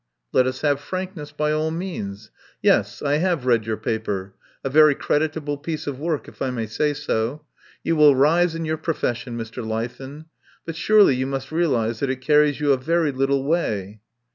"Let us have frankness by all means. Yes, I have read your paper. A very creditable piece of work, if I may say so. You will rise in your profession, Mr. Leithen. But surely you must realise that it carries you a very lit tle way."